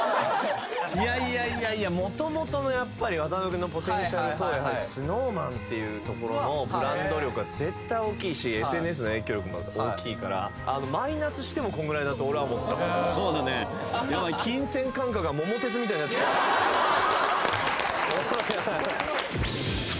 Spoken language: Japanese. いやいやいやいやもともとのやっぱり渡辺君のポテンシャルとＳｎｏｗＭａｎっていうところのブランド力は絶対大きいしＳＮＳの影響力も大きいからマイナスしてもこんぐらいだと俺は思ったヤバイ金銭感覚が「桃鉄」みたいになってきた